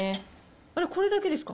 あれ、これだけですか？